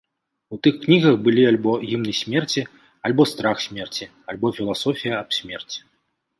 У тых кнігах былі альбо гімны смерці, альбо страх смерці, альбо філасофія аб смерці.